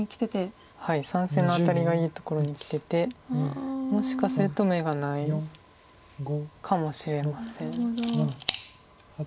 ３線のアタリがいいところにきててもしかすると眼がないかもしれません。